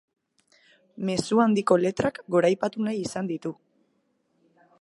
Mezu handiko letrak goraipatu nahi izan ditu.